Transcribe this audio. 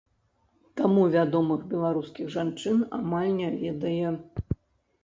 Таму вядомых беларускіх жанчын амаль не ведае.